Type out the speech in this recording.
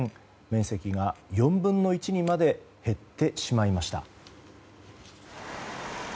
面積が４分の１にまで減ってしまいました。